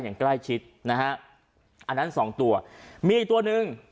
อย่างใกล้ชิดนะฮะอันนั้นสองตัวมีอีกตัวหนึ่ง